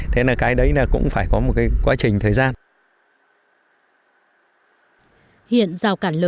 thế nên cái đấy cũng phải có một quá trình thời gian